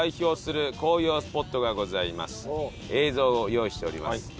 映像を用意しております。